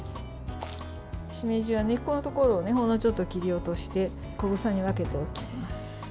しめじは根っこのところをほんのちょっと切り落として小房に分けておきます。